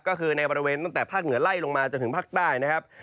ก็คือในบริเวณตั้งแต่ภาคเหนือไล่ลงมาจนถึงภาคใต้นะครับ